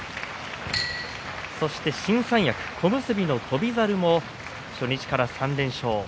そして新三役、小結の翔猿も初日から３連勝。